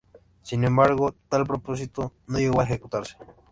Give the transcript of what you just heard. Sin embargo, tal propósito no llegó a ejecutarse.